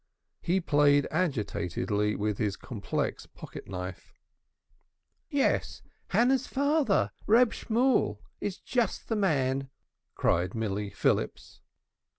He played agitatedly with his complex pocket knife. "Yes, Hannah's father, Reb Shemuel is just the man," cried Milly Phillips.